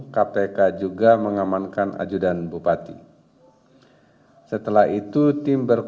di hotel kedua tim mengemankan tiga orang yaitu z r dan ik